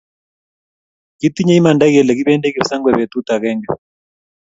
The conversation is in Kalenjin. Kitinye imanda kele kibendi kipsengwet betut agenge